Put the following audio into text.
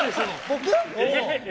僕？